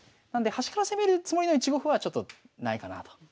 なので端から攻めるつもりの１五歩はちょっとないかなあと。